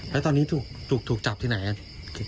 แล้วตอนนี้ถูกจับที่ไหนครับ